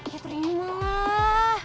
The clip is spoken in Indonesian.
ya terima lah